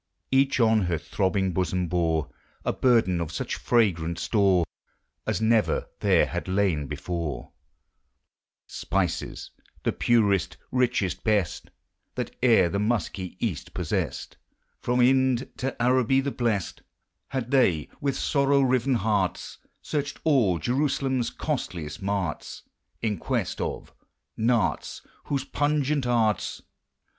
Each on her throbbing bosom bore A burden of such fragrant store As never there had lain before. Spices, the purest, richest, best, That e'er the musky East possessed, From Ind to Araby the Blest, Had they with sorrow riven hearts Searched all Jerusalem's costliest marts In quest of, — nards whose pungent arts * Myrophores, a name given to the Marys, in Greek Christian art.